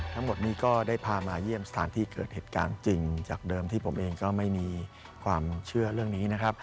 ทั้งหมดนี้ก็ได้พามาเยี่ยมสถานที่เกิดเหตุการณ์จริงจากเดิมที่ผมเองก็ไม่มีความเชื่อเรื่องนี้นะครับ